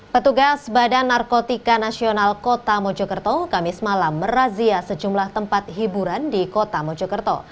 petugas badan narkotika nasional kota mojokerto kamis malam merazia sejumlah tempat hiburan di kota mojokerto